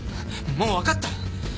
もうわかった！